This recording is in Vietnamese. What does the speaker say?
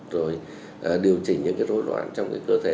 rồi điều chỉnh những rối loạn trong cơ thể